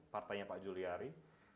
partainya pak juliari